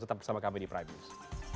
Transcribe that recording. tetap bersama kami di prime news